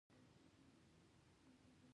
انسانیت په چوکاټ کښی وی